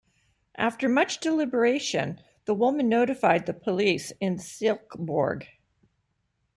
After much deliberation, the woman notified the police in Silkeborg.